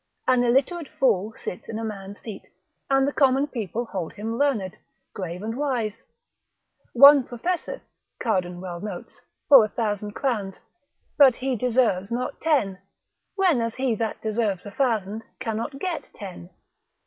An illiterate fool sits in a man's seat, and the common people hold him learned, grave and wise. One professeth (Cardan well notes) for a thousand crowns, but he deserves not ten, when as he that deserves a thousand cannot get ten.